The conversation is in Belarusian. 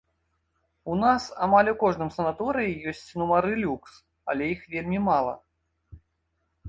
У нас амаль у кожным санаторыі ёсць нумары люкс, але іх вельмі мала.